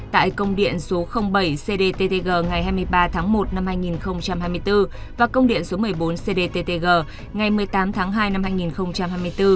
tại công điện số bảy cdttg ngày hai mươi ba tháng một năm hai nghìn hai mươi bốn và công điện số một mươi bốn cdttg ngày một mươi tám tháng hai năm hai nghìn hai mươi bốn